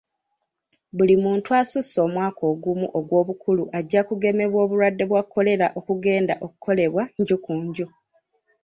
Buli muntu asussa omwaka ogumu ogw'obukulu ajja kugemebwa obulwadde bwa kolera okugenda okukolebwa nju ku nju.